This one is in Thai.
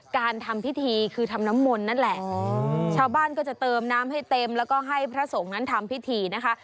การทำพิธีคือทำน้ำมนต์นั่นแหละชาวบ้านก็จะเติมน้ำให้เต็มแล้วก็ให้พระสงฆ์นั้นทำพิธีนะคะ